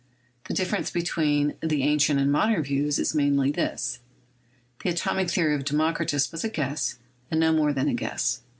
... The difference between the [ancient and modern views] is mainly this : the atomic theory of Democritus was a guess, and no more than a guess.